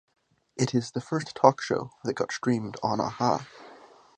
It is the first talk show that got streamed on Aha.